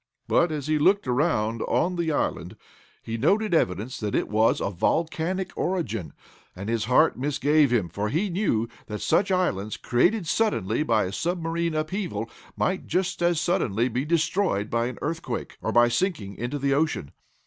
But, as he looked around on the island, he noted evidences that it was of volcanic origin, and his heart misgave him, for he knew that such islands, created suddenly by a submarine upheaval, might just as suddenly be destroyed by an earthquake, or by sinking into the ocean.